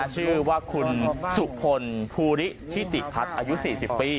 ชื่อว่าคุณสุภนภูริที่จิตพัดอายุ๔๐ปี